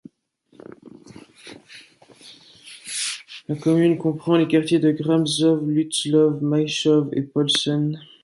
La commune comprend les quartiers de Gramzow, Lützlow, Meichow et Polßen.